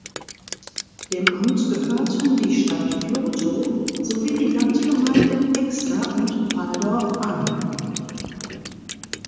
Dem Amt gehörten die Stadt Vlotho sowie die Landgemeinden Exter und Valdorf an.